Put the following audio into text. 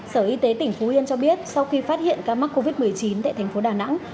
sở y tế tỉnh phú yên cho biết sau khi phát hiện ca mắc covid một mươi chín tại thành phố đà nẵng